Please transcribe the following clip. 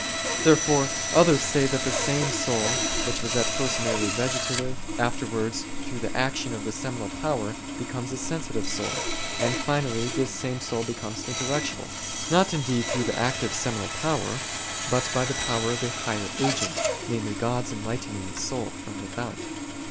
Therefore others say that the same soul which was at first merely vegetative, afterwards through the action of the seminal power, becomes a sensitive soul; and finally this same soul becomes intellectual, not indeed through the active seminal power, but by the power of a higher agent, namely God enlightening (the soul) from without.